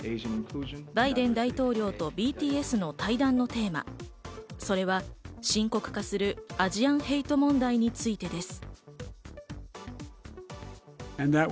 バイデン大統領とＢＴＳの対談のテーマ、それは深刻化するアジアン・ヘイト問題についてです。